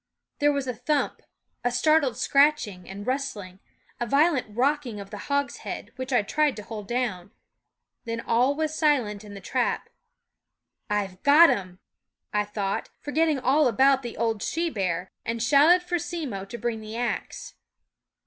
There was a 2 I Q thump, a startled scratching and rustling, a violent rocking of the hogshead, which I tried to hold down ; then all was silent in the trap. " I Ve got him !" I thought, for getting all about the old she bear, and shouted for Simmo to bring the ax.